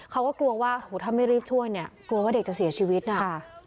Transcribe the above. เขาก็กลัวว่าถ้าไม่รีบช่วยเนี่ยกลัวว่าเด็กจะเสียชีวิตนะคะ